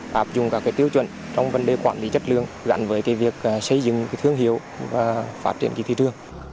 áp dụng các tiêu chuẩn trong vấn đề quản lý chất lượng gắn với việc xây dựng thương hiệu và phát triển thị trường